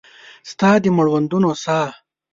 ستا د مړوندونو ساه